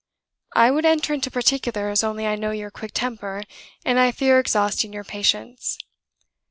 "I would enter into particulars, only I know your quick temper, and I fear exhausting your patience.